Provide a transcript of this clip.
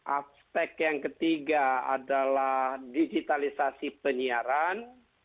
aspek yang ketiga adalah digitalisasi penyiaran